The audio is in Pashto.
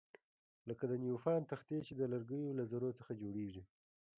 لکه د نیوپان تختې چې د لرګیو له ذرو څخه جوړیږي.